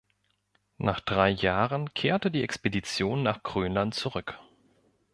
Nach drei Jahren kehrte die Expedition nach Grönland zurück.